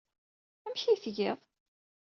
Amek ay tgiḍ?